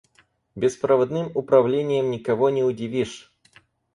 Беспроводным управлением никого не удивишь.